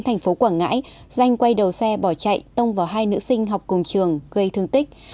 thành phố quảng ngãi danh quay đầu xe bỏ chạy tông vào hai nữ sinh học cùng trường gây thương tích